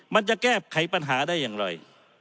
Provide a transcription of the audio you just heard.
มันจะแก้ไขปัญหาได้อย่างไร